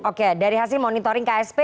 oke dari hasil monitoring ksp